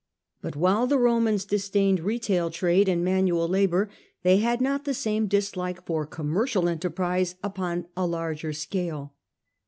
But while the Romans disdained retail trade and manual labour, they had not the same dislike for com mercial enterprise upon a larger scale.